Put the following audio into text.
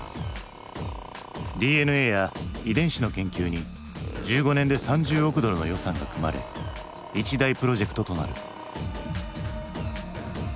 ＤＮＡや遺伝子の研究に１５年で３０億ドルの予算が組まれ一大プロジェクトとなる。